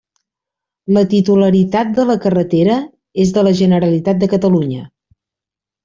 La titularitat de la carretera és de la Generalitat de Catalunya.